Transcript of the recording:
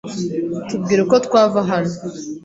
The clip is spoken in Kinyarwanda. Tubwire uko twava hano.